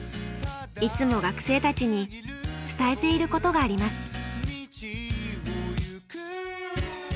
いつも学生たちに伝えていることがあります。